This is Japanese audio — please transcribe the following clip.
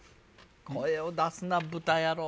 声を出すな豚野郎。